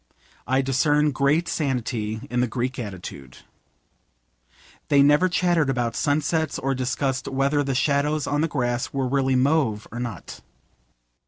I discern great sanity in the Greek attitude. They never chattered about sunsets, or discussed whether the shadows on the grass were really mauve or not.